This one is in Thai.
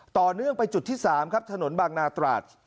ต่อเนื่องไปจุดที่๓ครับถนนบางนาตราด